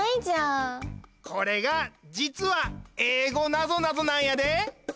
これがじつはえいごなぞなぞなんやで！